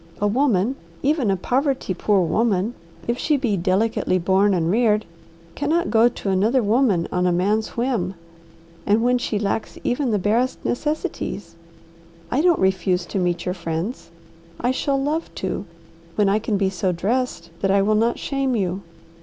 A woman, even a poverty poor woman, if she be delicately born and reared, cannot go to another woman on a man's whim, and when she lacks even the barest necessities. I don't refuse to meet your friends. I shall love to, when I can be so dressed that I will not shame you.